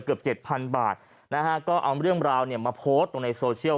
เกือบเจ็ดพันบาทนะฮะก็เอาเรื่องราวเนี่ยมาโพสต์ลงในโซเชียล